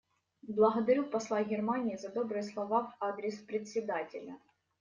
Благодарю посла Германии за добрые слова в адрес Председателя.